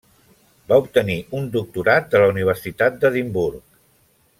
Va obtenir un doctorat de la Universitat d'Edimburg.